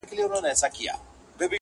جهاني به په لحد کي وي هېر سوی؛